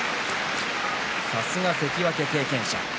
さすが、関脇経験者。